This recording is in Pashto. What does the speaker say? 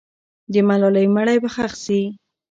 د ملالۍ مړی به ښخ سي.